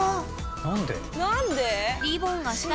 何で？